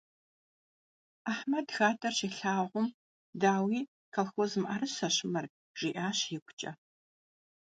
Ahmed xader şilhağum, «daui, kolxoz mı'erıseş mır», - jji'aş yiguç'e.